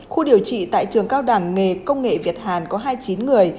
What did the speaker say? khu điều trị tại trường cao đẳng nghề công nghệ việt hàn có hai mươi chín người